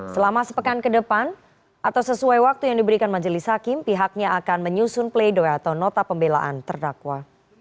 selama sepekan ke depan atau sesuai waktu yang diberikan majelis hakim pihaknya akan menyusun play doh atau nota pembelaan terdakwa